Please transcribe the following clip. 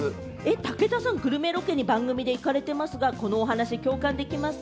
武田さん、グルメロケに番組で行かれてますが、このお話、共感できますか？